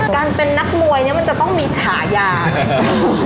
การเป็นนักมวยเนี่ยมันจะต้องมีฉายา